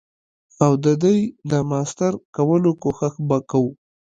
او ددی د ماستر کولو کوښښ به کوو.